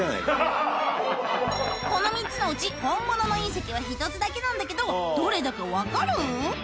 この３つのうち本物の隕石は１つだけなんだけどどれだか分かる？